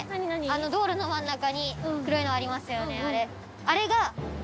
あの道路の真ん中に黒いのありますよねあれ。